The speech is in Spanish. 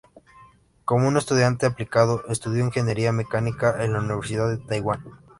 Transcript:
Como un estudiante aplicado, estudió ingeniería mecánica en la Universidad de Taiwán.